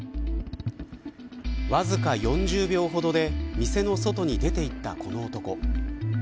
わずか４０秒ほどで店の外に出て行ったこの男。